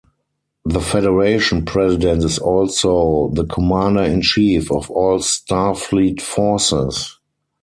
The Federation President is also the commander-in-chief of all Starfleet forces.